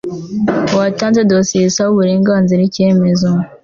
uwatanze dosiye isaba uburenganzira icyemezo